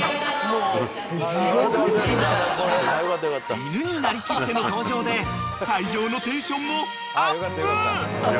［犬になりきっての登場で会場のテンションもアップ！］